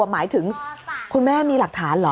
หมายถึงคุณแม่มีหลักฐานเหรอ